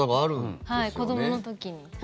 はい、子どもの時に。